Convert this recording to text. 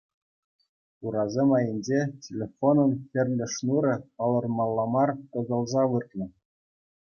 Урасем айӗнче телефонӑн хӗрлӗ шнурӗ палӑрмалла мар тӑсӑлса выртнӑ.